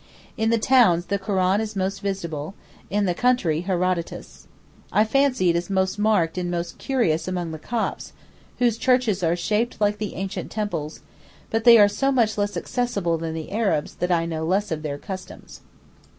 In the towns the Koran is most visible, in the country Herodotus. I fancy it is most marked and most curious among the Copts, whose churches are shaped like the ancient temples, but they are so much less accessible than the Arabs that I know less of their customs.